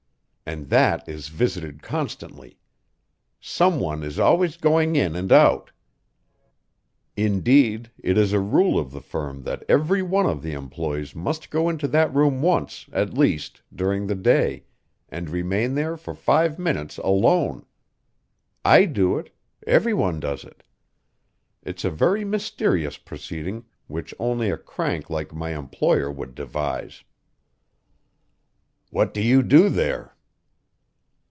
And that is visited constantly. Some one is always going in and out. Indeed, it is a rule of the firm that every one of the employees must go into that room once, at least, during the day, and remain there for five minutes alone. I do it; every one does it; it's a very mysterious proceeding which only a crank like my employer would devise." "What do you do there?"